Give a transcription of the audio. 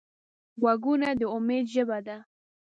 غوږونه د امید ژبه ده